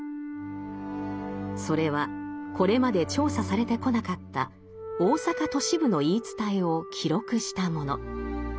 それはこれまで調査されてこなかった大阪都市部の言い伝えを記録したもの。